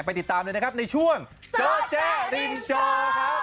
ไปติดตามด้วยนะครับในช่วงเจ้าแจริมจอครับ